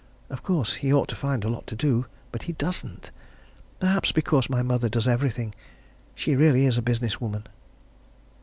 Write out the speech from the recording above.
Of course, he ought to find a lot to do but he doesn't. Perhaps because my mother does everything. She really is a business woman."